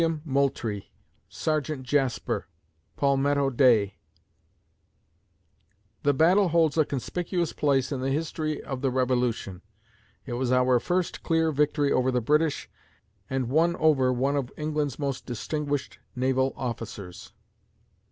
WILLIAM MOULTRIE; SERGEANT JASPER; "PALMETTO DAY" The battle holds a conspicuous place in the history of the Revolution. It was our first clear victory over the British, and won over one of England's most distinguished naval officers.